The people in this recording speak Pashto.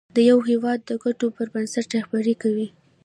د یو هېواد د ګټو پر بنسټ رهبري کوي.